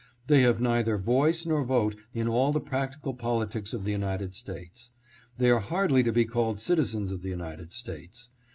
They have neither voice nor vote in all the practical politics of the United States. They are hardly to be called citizens of the United States.